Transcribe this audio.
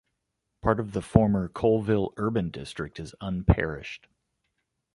Part of the former Coalville Urban District is unparished.